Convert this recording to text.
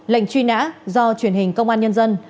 lệnh truy nã do truyền hình công an nhân dân